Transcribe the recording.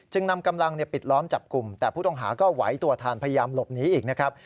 นำกำลังปิดล้อมจับกลุ่มแต่ผู้ต้องหาก็ไหวตัวทันพยายามหลบหนีอีกนะครับ